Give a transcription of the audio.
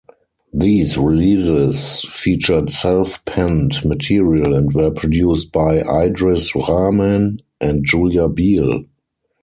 These releases featured self-penned material and were produced by Idris Rahman and Julia Biel.